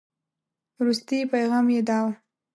وروستي پيغام یې داو.